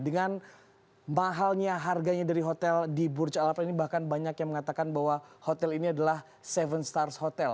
dengan mahalnya harganya dari hotel di burj alapan ini bahkan banyak yang mengatakan bahwa hotel ini adalah tujuh stars hotel